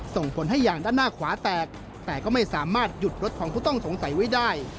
ส่งผลให้ยางด้านหน้าขวาแตกแต่ก็ไม่สามารถหยุดรถของผู้ต้องสงสัยไว้ได้